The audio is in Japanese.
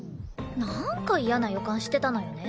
なんか嫌な予感してたのよね。